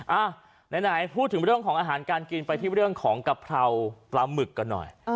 อ่ะไหนพูดถึงเรื่องของอาหารการกินไปที่เรื่องของกะเพราปลาหมึกกันหน่อย